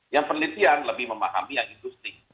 yang penelitian lebih memahami yang industri